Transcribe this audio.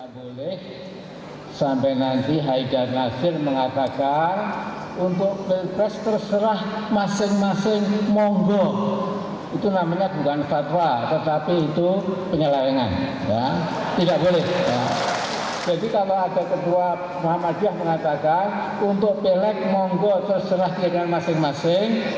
jadi kalau ada ketua muhammadiyah mengatakan untuk belek monggo terserah dengan masing masing